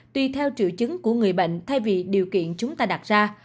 tùy theo triệu chứng của người bệnh thay vì điều kiện chúng ta đặt ra